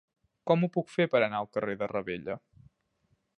Com ho puc fer per anar al carrer de Ravella?